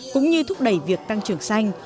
cũng như thúc đẩy việc tăng trưởng xanh